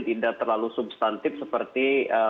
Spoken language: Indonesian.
tidak terlalu substantif seperti